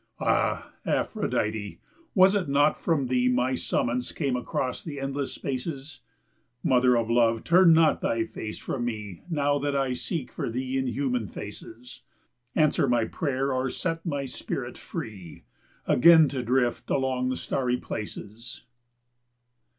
Ah, Aphrodite, was it not from thee My summons came across the endless spaces? Mother of Love, turn not thy face from me Now that I seek for thee in human faces; Answer my prayer or set my spirit free Again to drift along the starry places.